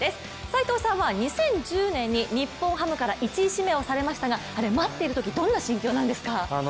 斎藤さんは２０１０年に日本ハムから１位指名をされましたがあれ待っているとき、どんな心境なんですか？